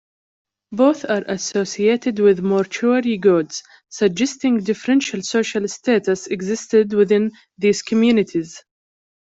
Both are associated with mortuary goods, suggesting differential social status existed within these communities.